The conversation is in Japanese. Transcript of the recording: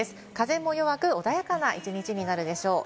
風も弱く穏やかな一日になるでしょう。